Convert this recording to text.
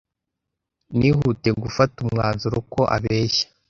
Nihutiye gufata umwanzuro ko abeshya.